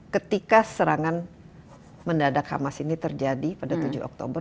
ketika serangan mendadak hamas ini terjadi pada tujuh oktober